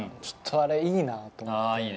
あれいいなと思って。